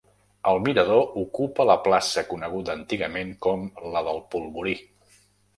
El mirador ocupa la plaça coneguda antigament com la del Polvorí.